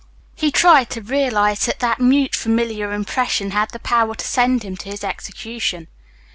He tried to realize that that mute, familiar impression had the power to send him to his execution.